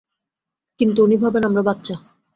কিন্তু উনি ভাবেন আমরা বাচ্চা।